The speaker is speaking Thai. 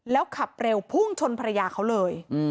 แล้วขับเร็วพุ่งชนภรรยาเขาเลย